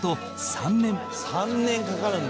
「３年かかるんだ」